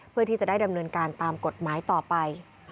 เพื่อที่จะได้ดำเนินการตามกฎหมายต่อไป